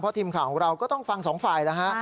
ทีมข่าวของเราก็ต้องฟังสองฝ่ายแล้วฮะ